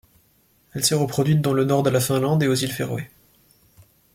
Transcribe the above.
Elle s'est reproduite dans le nord de la Finlande et aux îles Féroé.